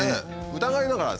疑いながら先生